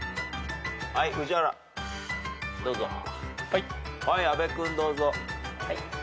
はい阿部君どうぞ。